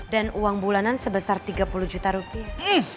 dan uang bulanan sebesar tiga puluh juta rupiah